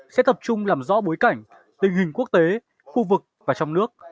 sẽ tập trung làm rõ bối cảnh tình hình quốc tế khu vực và trong nước